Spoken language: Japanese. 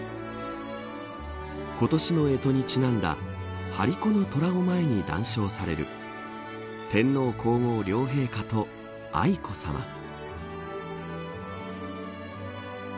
今年のえとにちなんだ張り子の虎を前に談笑される天皇皇后両陛下と愛子さま。